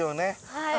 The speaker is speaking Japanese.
はい。